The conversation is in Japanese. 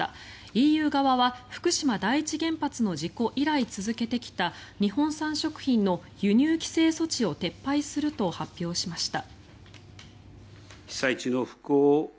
ＥＵ側は福島第一原発の事故以来続けてきた日本産食品の輸入規制措置を撤廃すると発表しました。